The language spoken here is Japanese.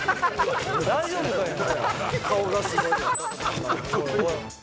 大丈夫かいな？